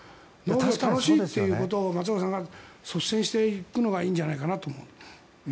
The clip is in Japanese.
農業楽しいということを松岡さんが率先していくのがいいんじゃないかと思う。